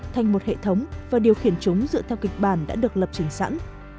thành một hệ thống và điều khiển chúng dựa theo kịch bản đã được lập trình sẵn